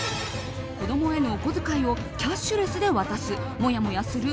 子供へのお小遣いをキャッシュレスで渡すもやもやする？